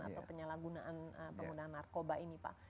atau penyalahgunaan penggunaan narkoba ini pak